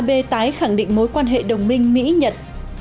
chuyên dụ ab tái khẳng định mối quan hệ đồng minh mỹ nhật